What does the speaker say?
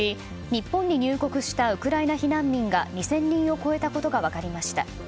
日本に入国したウクライナ避難民が２０００人を超えたことが分かりました。